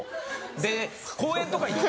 で公園とか行って。